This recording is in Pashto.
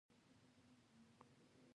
وسلې، مهمات او پیسې ورکړې.